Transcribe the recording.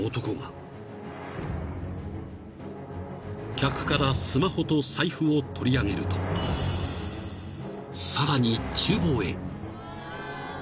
［客からスマホと財布を取り上げるとさらに厨房へ］